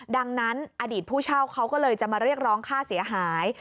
ดังนั้นอดีตผู้เช่าเขาก็เลยจะมาเรียกร้องค่าเสียหาย